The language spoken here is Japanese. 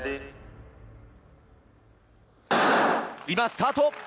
今、スタート。